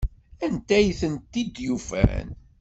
Anta ay tent-id-yufan?